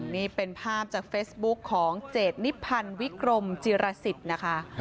นี่เป็นภาพจากเฟซบุ๊คของเจดนิพันธ์วิกรมจิรสิทธิ์นะคะ